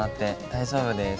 大丈夫です。